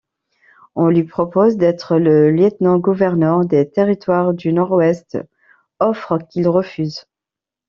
On lui propose d'être le lieutenant-gouverneur des Territoires du Nord-Ouest, offre qu'il refuse.